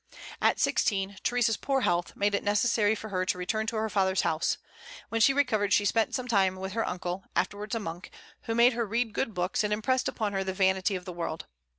At sixteen, Theresa's poor health made it necessary for her to return to her father's house. When she recovered she spent some time with her uncle, afterwards a monk, who made her read good books, and impressed upon her the vanity of the world.